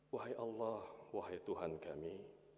wahai allah wahai tuhan kami